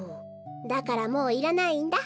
だからもういらないんだ。